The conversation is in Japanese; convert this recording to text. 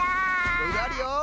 いろいろあるよ。